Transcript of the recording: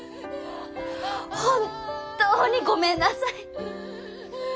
本当にごめんなさい。